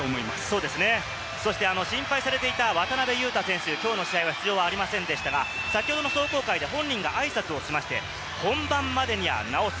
そして心配されていた渡邊雄太選手、きょうの試合は出場はありませんでしたが、先ほどの壮行会で、本人があいさつをしまして、本番までには治す。